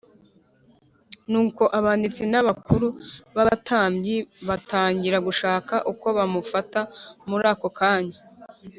Nuko abanditsi n abakuru b abatambyi batangira gushaka uko bamufata muri ako kanya